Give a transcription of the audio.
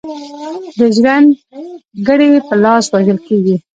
د ژرند ګړي په لاس وژل کیږي.